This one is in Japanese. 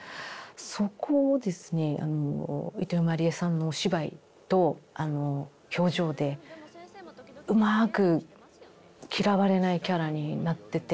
そこをですねあの飯豊まりえさんのお芝居とあの表情でうまく嫌われないキャラになってて。